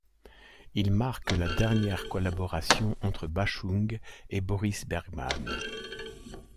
Il marque la dernière collaboration entre Bashung et Boris Bergman.